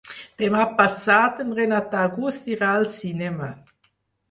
Demà passat en Renat August irà al cinema.